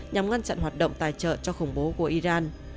nhằm ngăn chặn iran